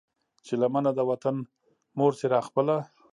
چې لمنه د وطن مور شي را خپله